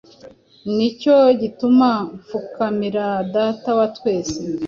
Ni cyo gituma mpfukamira Data wa twese